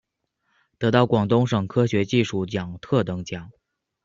得到广东省科学技术奖特等奖。